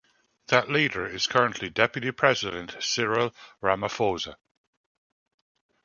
That leader is currently Deputy President Cyril Ramaphosa.